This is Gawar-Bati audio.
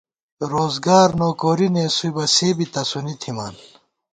روزگار نوکوری نېسُوئی بہ سے بی تسُونی تھِمان